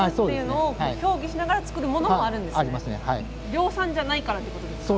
量産じゃないからっていうことですか？